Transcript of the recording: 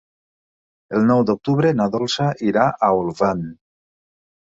El nou d'octubre na Dolça irà a Olvan.